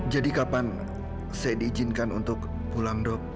jadi kapan saya diizinkan untuk pulang dok